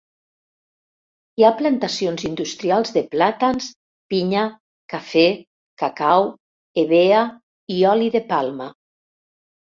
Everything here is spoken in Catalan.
Hi ha plantacions industrials de plàtans, pinya, cafè, cacau, hevea i oli de palma.